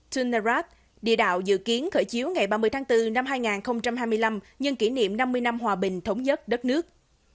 tunerat địa đạo dự kiến khởi chiếu ngày ba mươi tháng bốn năm hai nghìn hai mươi năm nhân kỷ niệm năm mươi năm hòa bình thống nhất đất nước